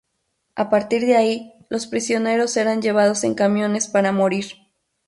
A partir de ahí, los prisioneros eran llevados en camiones para morir.